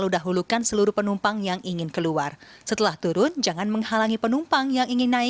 jangan berdiri di kawasan hijau ini